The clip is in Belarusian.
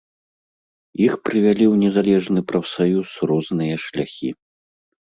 Іх прывялі ў незалежны прафсаюз розныя шляхі.